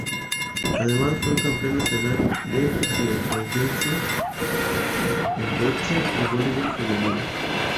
Además fue el campeón Nacional y Rioplatense en bocha y voleibol femenino.